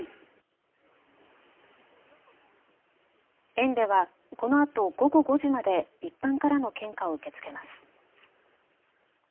園ではこのあと午後５時まで一般からの献花を受け付けます。